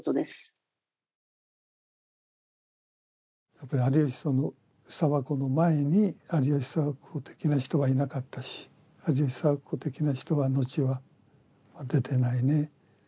やっぱり有吉佐和子の前に有吉佐和子的な人はいなかったし有吉佐和子的な人は後は出てないね。